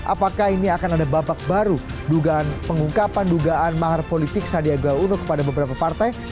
apakah ini akan ada babak baru dugaan pengungkapan dugaan mahar politik sandiaga uno kepada beberapa partai